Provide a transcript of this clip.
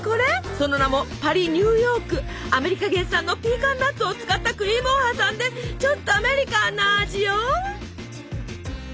その名もアメリカ原産のピーカンナッツを使ったクリームを挟んでちょっとアメリカンな味よ。